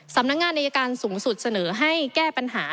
สำนักงานอายการสูงสุดเสนอให้แก้ปัญหา